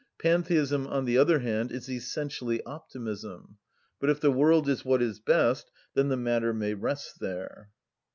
Pantheism, on the other hand, is essentially optimism: but if the world is what is best, then the matter may rest there.